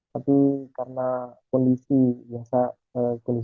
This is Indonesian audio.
tapi karena kondisi